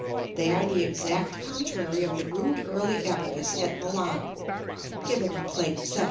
They are the exact contrary of the rude early abacus at Milan, given in Plate XVII.